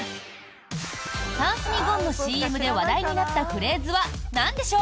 タンスにゴンのＣＭで話題になったフレーズはなんでしょう？